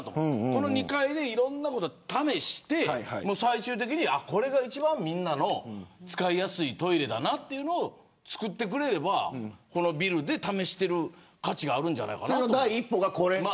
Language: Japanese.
この２階でいろんなことを試して最終的にこれが一番みんなの使いやすいトイレだなというのをつくってくれればこのビルで試している価値があるんじゃないかなと。